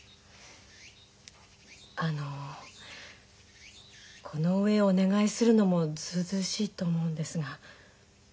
あのこの上お願いするのもずうずうしいと思うんですが。